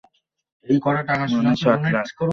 মানে, ষাট লাখ।